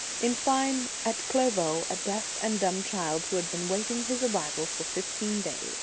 In fine, at Clairvaux, a deaf and dumb child, who had been awaiting his arri val for fifteen days.